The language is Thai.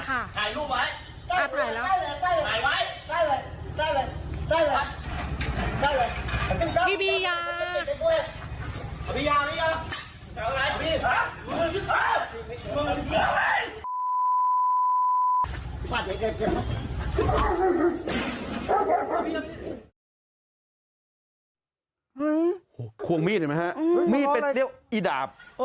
ควงมีดเห็นไหมมีดเป็นเรียวอิดาบ